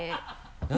何？